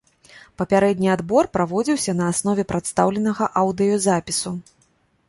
Папярэдні адбор праводзіўся на аснове прадстаўленага аўдыёзапісу.